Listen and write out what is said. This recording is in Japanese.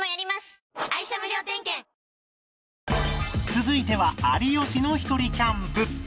続いては有吉のひとりキャンプ